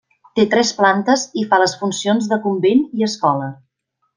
Té tres plantes i fa les funcions de convent i escola.